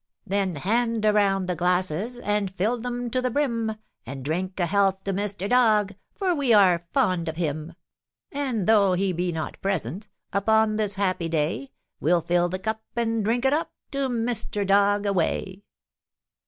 Then hand around the glasses And fill them to the brim, And drink a health to Mr. Dog, For we are fond of him. And, though he be not present Upon this happy day, We'll fill the cup and drink it up To Mr. Dog away! [Illustration: SAW THAT SOMETHING WAS WRONG.